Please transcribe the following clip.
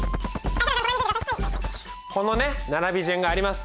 このね並び順があります。